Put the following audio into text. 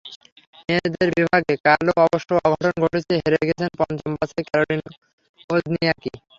মেয়েদের বিভাগে কালও অবশ্য অঘটন ঘটেছে, হেরে গেছেন পঞ্চম বাছাই ক্যারোলিন ওজনিয়াকি।